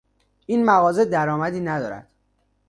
این مغازه در آمدی ندارد.